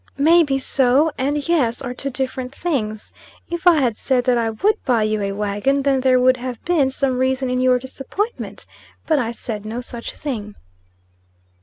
"May be so, and yes, are two different things. If I had said that I would buy you a wagon, then there would have been some reason in your disappointment; but I said no such thing."